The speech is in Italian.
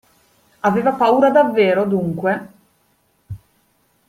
Aveva paura davvero, dunque?